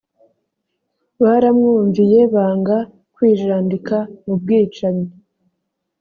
baramwumviye banga kwijandika mu bwicanyi